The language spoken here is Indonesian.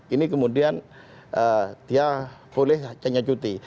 ini kemudian dia boleh hanya cuti